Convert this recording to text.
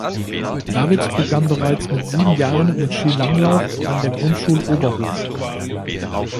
David begann bereits mit sieben Jahren mit Skilanglauf an der Grundschule Oberhof.